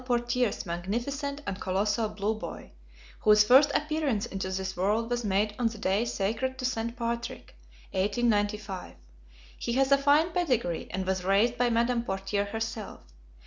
Portier's magnificent and colossal Blue Boy, whose first appearance into this world was made on the day sacred to St. Patrick, 1895. He has a fine pedigree, and was raised by Madame Portier herself.